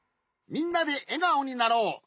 みんなでえがおになろう！